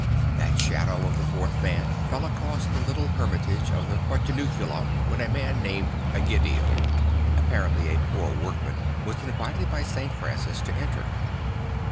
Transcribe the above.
That shadow of the fourth man fell across the little hermitage of the Portiuncula when a man named Egidio, apparently a poor workman, was invited by St. Francis to enter.